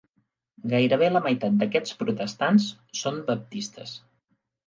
Gairebé la meitat d'aquests protestants són baptistes.